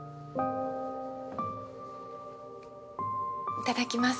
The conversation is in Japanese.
いただきます。